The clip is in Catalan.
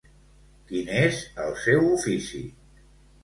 Quin és el seu ofici?